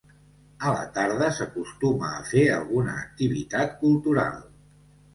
A la tarda, s'acostuma a fer alguna activitat cultural.